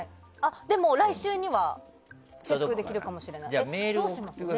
でも、来週にはチェックできるかもしれない。